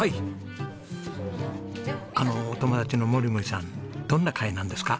あのお友達のもりもりさんどんな会なんですか？